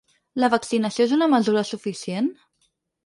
La vaccinació és una mesura suficient?